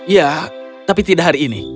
ya tapi tidak hari ini